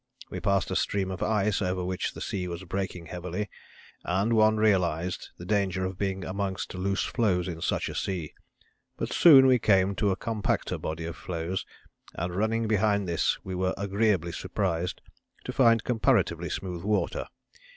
We passed a stream of ice over which the sea was breaking heavily, and one realized the danger of being amongst loose floes in such a sea. But soon we came to a compacter body of floes, and running behind this we were agreeably surprised to find comparatively smooth water.